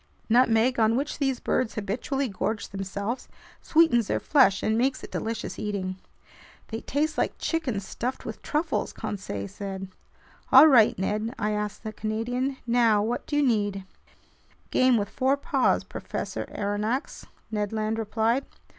Nutmeg, on which these birds habitually gorge themselves, sweetens their flesh and makes it delicious eating. "They taste like chicken stuffed with truffles," Conseil said. "All right, Ned," I asked the Canadian, "now what do you need?" "Game with four paws, Professor Aronnax," Ned Land replied.